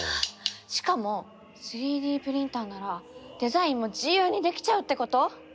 しかも３Ｄプリンターならデザインも自由にできちゃうってこと？